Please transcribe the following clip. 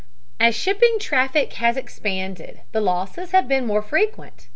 As shipping traffic has expanded, the losses have been more frequent.